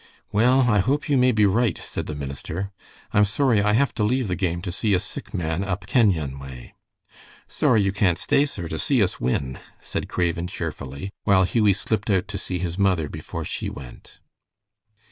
"Well, I hope you may be right," said the minister. "I am sorry I have to leave the game to see a sick man up Kenyon way." "Sorry you can't stay, sir, to see us win," said Craven, cheerfully, while Hughie slipped out to see his mother before she went.